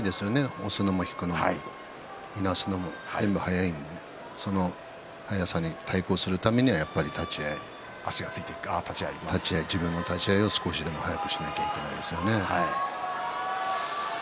押すのも引くのもいなすのも攻めが速いのでその速さに対抗するのはやっぱり立ち合い、自分の立ち合いを少しでも速くしなければいけないですよね。